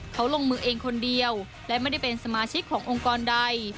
เขาลงมือเองคนเดียวและไม่ได้เป็นสมาชิกขององค์กรใด